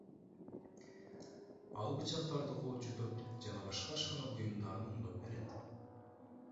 Ал бычактарды куурчутуп жана башка ашкана буюмдарын оңдоп берет.